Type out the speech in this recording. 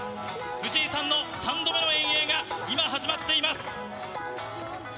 藤井さんの３度目の遠泳が今、始まっています。